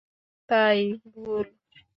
তাই, ভুল।